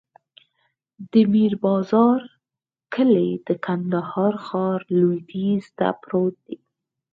د میر بازار کلی د کندهار ښار لویدیځ ته پروت دی.